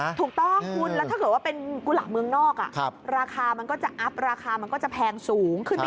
ถูกต้องคุณแล้วถ้าเกิดว่าเป็นกุหลาบเมืองนอกราคามันก็จะอัพราคามันก็จะแพงสูงขึ้นไป